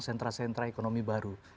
sentra sentra ekonomi baru